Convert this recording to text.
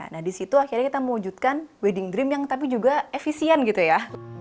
nah disitu akhirnya kita mewujudkan wedding dream yang tapi juga efisien gitu ya